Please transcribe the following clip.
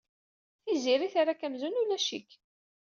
Tiziri terra-k amzun ulac-ik.